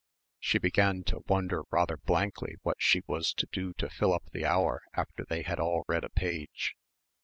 She began to wonder rather blankly what she was to do to fill up the hour after they had all read a page.